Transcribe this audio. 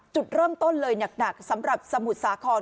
จุดเริ่มต้นเลยหนักสำหรับสมุทรสาคร